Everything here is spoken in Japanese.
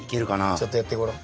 ちょっとやってごらん。